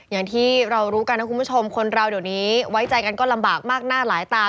อย่างที่เรารู้กันนะคุณผู้ชมคนเราเดี๋ยวนี้ไว้ใจกันก็ลำบากมากหน้าหลายตา